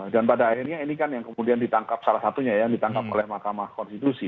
dan pada akhirnya ini kan yang kemudian ditangkap salah satunya ya yang ditangkap oleh mahkamah konstitusi